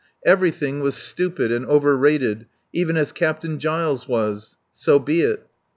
Everything was stupid and overrated, even as Captain Giles was. So be it.